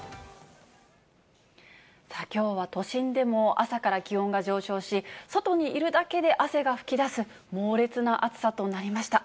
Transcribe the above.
きょうは都心でも朝から気温が上昇し、外にいるだけで汗が噴き出す猛烈な暑さとなりました。